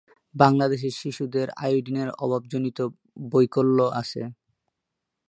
বাংলাদেশে শিশুদেরও আয়োডিনের অভাবজনিত বৈকল্য আছে।